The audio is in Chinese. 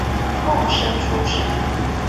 贡生出身。